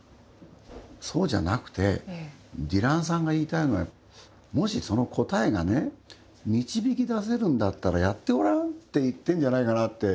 そうじゃなくてディランさんが言いたいのはもしその答えがね導き出せるんだったらやってごらんって言ってんじゃないかなって。